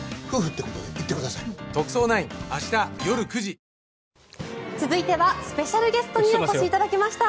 「ブローネ」「ルミエスト」続いてはスペシャルゲストにお越しいただきました。